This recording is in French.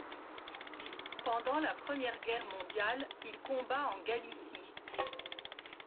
Pendant la Première Guerre mondiale, il combat en Galicie.